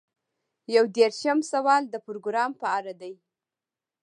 یو دېرشم سوال د پروګرام په اړه دی.